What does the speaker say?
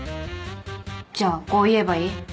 じゃあこう言えばいい？